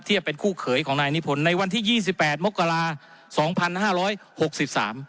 เทียบเป็นคู่เขยของนายนิพนธ์ในวันที่๒๘มกราศาสตร์๒๕๖๓